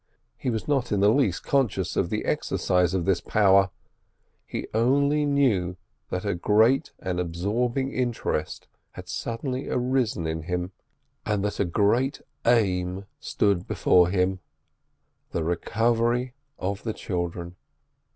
He was not in the least conscious of the exercise of this power; he only knew that a great and absorbing interest had suddenly arisen in him, and that a great aim stood before him—the recovery of the children.